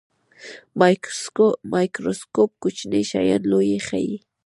مایکروسکوپ کوچني شیان لوی ښيي